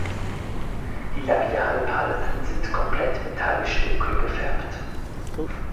Die Labialpalpen sind komplett metallisch dunkel gefärbt.